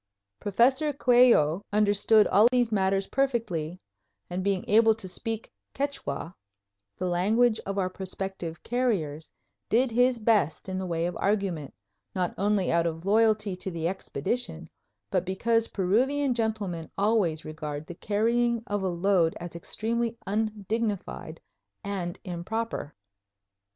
Professor Coello understood all these matters perfectly and, being able to speak Quichua, the language of our prospective carriers, did his best in the way of argument, not only out of loyalty to the Expedition, but because Peruvian gentlemen always regard the carrying of a load as extremely undignified and improper.